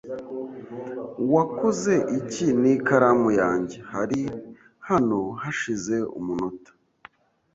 Wakoze iki n'ikaramu yanjye? Hari hano hashize umunota.